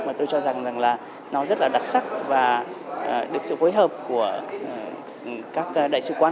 mà tôi cho rằng là nó rất là đặc sắc và được sự phối hợp của các đại sứ quán